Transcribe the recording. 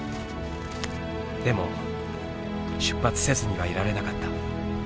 でも出発せずにはいられなかった。